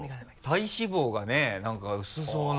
体脂肪がねなんか薄そうな。